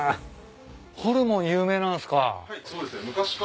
ホルモン有名なんすか。